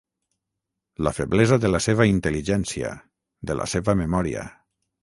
La feblesa de la seva intel·ligència, de la seva memòria.